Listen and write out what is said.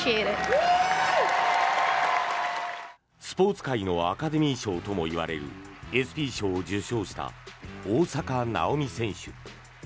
スポーツ界のアカデミー賞ともいわれるＥＳＰＹ賞を受賞した大坂なおみ選手。